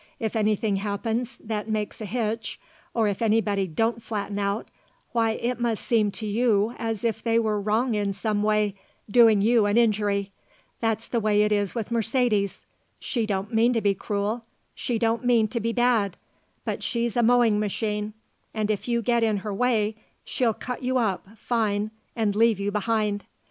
If anything happens that makes a hitch, or if anybody don't flatten out, why it must seem to you as if they were wrong in some way, doing you an injury. That's the way it is with Mercedes. She don't mean to be cruel, she don't mean to be bad; but she's a mowing machine and if you get in her way she'll cut you up fine and leave you behind.